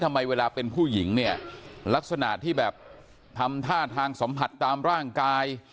เวลาเป็นผู้หญิงเนี่ยลักษณะที่แบบทำท่าทางสัมผัสตามร่างกาย